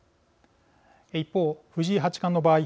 一方藤井八冠の場合